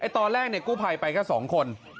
ตอนแรกกู้ภัยไปแค่๒คน